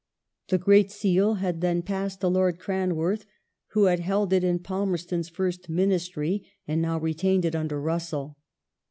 The Great Seal had then passed to Lord Cranworth, who had held it in Palmerston's fii st Ministry and now retained it under Russell.